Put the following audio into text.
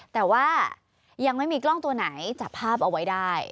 แต่ว่ายังไม่มีกล้องตัวไหนจับภาพเอาไว้ได้